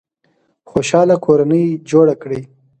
خوشحاله کورنۍ جوړه کړئ